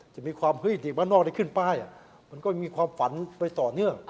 จะมีความเฮ้ยเด็กบ้านนอกได้ขึ้นป้ายมันก็มีความฝันไปต่อเนื่อง